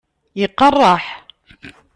Iqeṛṛeḥ!